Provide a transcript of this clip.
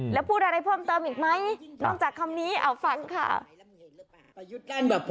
แล้วพูดอะไรเพิ่มเติมอีกไหมนอกจากคำนี้เอาฟังค่ะ